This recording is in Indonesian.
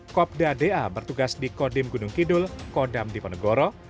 kopda da bertugas di kodim gunung kidul kodam diponegoro